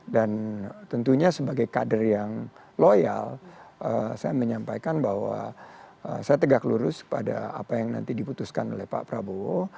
dan tentunya sebagai kader yang loyal saya menyampaikan bahwa saya tegak lurus pada apa yang nanti diputuskan oleh pak prabowo